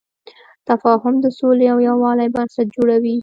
تفاهم د سولې او یووالي بنسټ جوړوي.